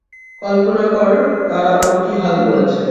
কল্পনা কর তারা ওর কি হাল করেছে।